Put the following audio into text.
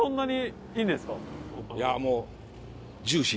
いやもう。